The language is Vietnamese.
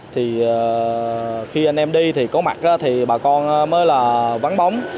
thì khi anh em đi thì có mặt thì bà con mới là vắng bóng